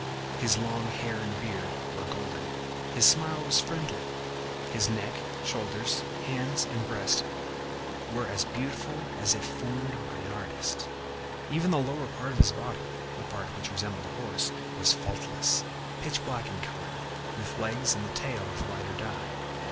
His long hair and beard were golden; his smile was friendly; his neck, shoulders, hands and breast were as beautiful as if formed by an artist. Even the lower part of his body, the part which resembled a horse, was faultless, pitch black in color, with legs and tail of lighter dye.